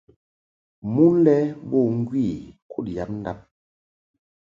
Mon lɛ bo ŋgwi kud yab ndab.